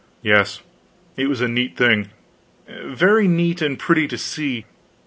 Yes, it was a neat thing, very neat and pretty to see.